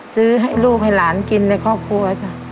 ซื้อให้ลูกให้หลานกินในครอบครัวจ้ะ